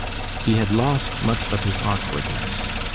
He had lost much of his awkwardness.